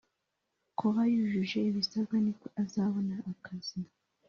kuba yujuje ibisabwa nibwo azabona akazi